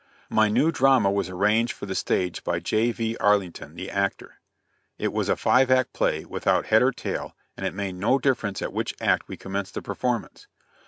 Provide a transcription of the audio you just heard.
My new drama was arranged for the stage by J.V. Arlington, the actor. It was a five act play, without head or tail, and it made no difference at which act we commenced the performance.